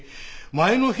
前の日？